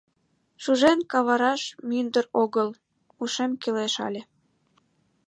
Шужен кавараш мӱндыр огыл, ушем кӱлеш але...